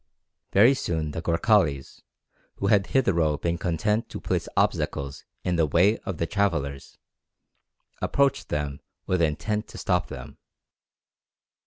Very soon the Gorkhalis, who had hitherto been content to place obstacles in the way of the travellers, approached them with intent to stop them.